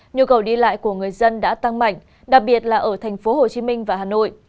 nhu cầu đi lại của người dân đã tăng mạnh đặc biệt là ở thành phố hồ chí minh và hà nội